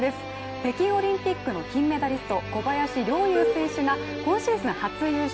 北京オリンピックの金メダリスト小林陵侑選手が今シーズン初優勝。